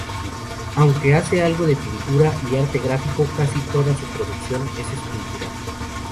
Aunque hace algo de pintura y arte gráfico, casi toda su producción es escultura.